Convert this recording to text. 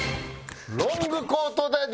ロングコートダディ！